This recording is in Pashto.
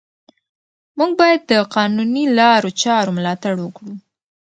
موږ باید د قانوني لارو چارو ملاتړ وکړو